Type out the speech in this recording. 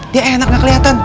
dia enak gak keliatan